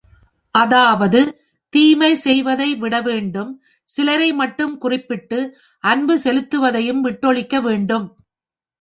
அதாவது தீமை செய்வதை விட வேண்டும் சிலரை மட்டும் குறிப்பிட்டு அன்பு செலுத்துவதையும் விட்டொழிக்க வேண்டும்.